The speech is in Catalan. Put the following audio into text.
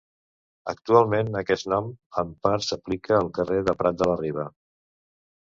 Actualment aquest nom en part s'aplica al carrer de Prat de la Riba.